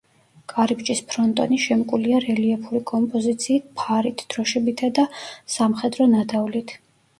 კარიბჭის ფრონტონი შემკულია რელიეფური კომპოზიციით ფარით, დროშებითა და სამხედრო ნადავლით.